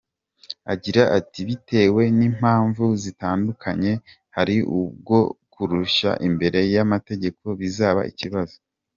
Agira ati “Bitewe n’impamvu zitandukanye hari ubwo kureshya imbere y’amategeko bizamo ikibazo.